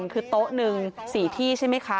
คือโต๊ะหนึ่ง๔ที่ใช่ไหมคะ